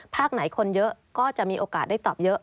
ภาคไหนคนเยอะก็จะมีโอกาสได้ตอบเยอะ